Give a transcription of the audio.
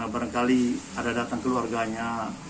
barangkali ada datang keluarganya